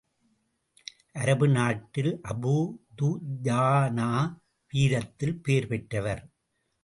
அரபு நாட்டில், Abu Dujana வீரத்தில் பேர் பெற்றவர்.